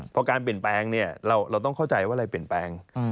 พอการเปลี่ยนแปลงเนี่ยเราต้องเข้าใจว่าอะไรเปลี่ยนแปลง